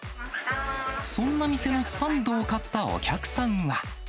そんな店のサンドを買ったお客さんは。